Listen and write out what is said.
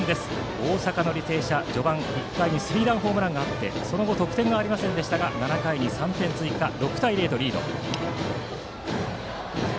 大阪の履正社、序盤１回にスリーランホームランがありその後得点がありませんでしたが７回に３点追加し６対０とリード。